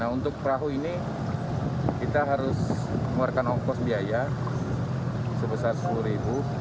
untuk perahu ini kita harus mengeluarkan ongkos biaya sebesar sepuluh ribu